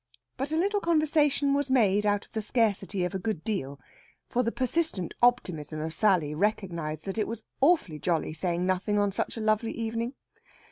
But a little conversation was made out of the scarcity of a good deal, for the persistent optimism of Sally recognised that it was awfully jolly saying nothing on such a lovely evening.